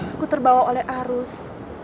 aku terbawa oleh arus